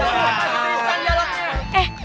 wah apaan itu pingsan dialognya